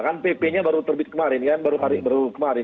kan pp nya baru terbit kemarin kan baru kemarin